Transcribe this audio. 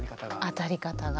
当たり方が。